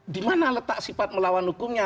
di mana letak sifat melawan hukumnya